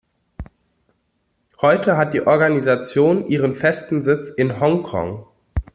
Heute hat die Organisation ihren festen Sitz in Hongkong.